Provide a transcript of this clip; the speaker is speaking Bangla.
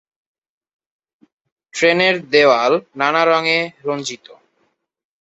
ট্রেনের দেওয়াল নানা রঙে রঞ্জিত।